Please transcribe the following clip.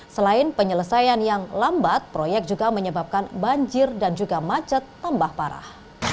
selain penyelesaian yang lambat proyek juga menyebabkan banjir dan juga macet tambah parah